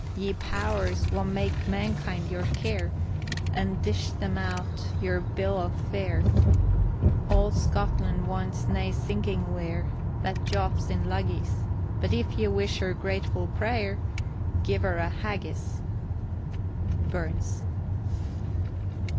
Ye powers wha mak mankind your care, And dish them out their bill of fare, Auld Scotland wants nae skinking ware That jaups in luggies, But if ye wish her grateful pray'r, Gie her a Haggis. BURNS.